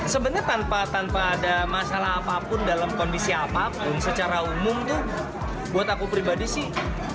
sebenarnya tanpa ada masalah apapun dalam kondisi apapun secara umum tuh buat aku pribadi sih